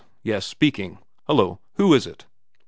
Yes, speaking. Hullo. Who is it